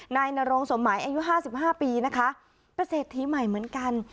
นายนรงสมัยอายุ๕๕ปีนะคะประเศษทีใหม่เหมือนกัน